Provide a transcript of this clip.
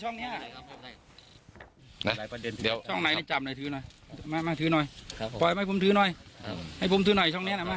ไม่เป็นไรไม่เป็นไรไม่เป็นไรแค่ถือเฉยเฉยในช่องอะไรเนี่ย